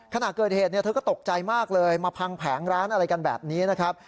ขณะเกิดเหตุเธอก็ตกใจมากเลยมาพังแผงร้านอะไรกันแบบนี้นะครับ